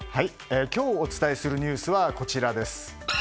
今日お伝えするニュースはこちらです。